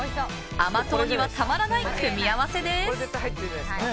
甘党にはたまらない組み合わせです。